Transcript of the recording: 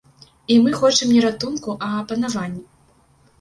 І мы хочам не ратунку, а панавання.